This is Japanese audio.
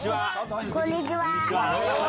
こんにちは。